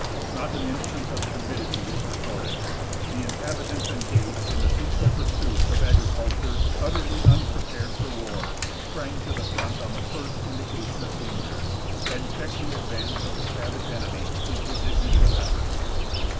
Not an instance of timidity is recorded. The inhabitants engaged in the peaceful pursuits of agriculture, utterly unprepared for war, sprang to the front on the first indication of danger, and checked the advance of the savage enemy in his initial efforts.